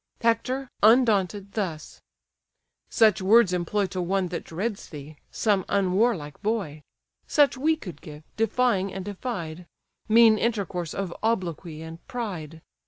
Hector, undaunted, thus: "Such words employ To one that dreads thee, some unwarlike boy: Such we could give, defying and defied, Mean intercourse of obloquy and pride!